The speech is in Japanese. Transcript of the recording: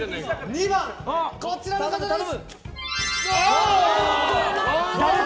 １番、こちらの方です！